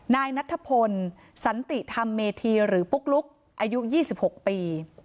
นายนัทพลสันติธรรมเมธีหรือปุ๊กลุ๊กอายุ๒๖ปี